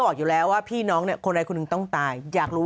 บอกอยู่แล้วว่าพี่น้องเนี่ยคนใดคนหนึ่งต้องตายอยากรู้